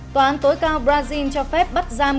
tòa án tối cao brazil cho phép bắt giam